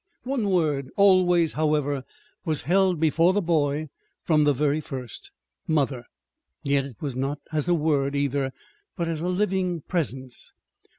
One word always, however, was held before the boy from the very first mother; yet it was not as a word, either, but as a living presence.